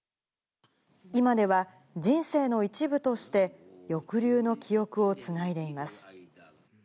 今では人生の一部として、抑留の記憶をつないでいます。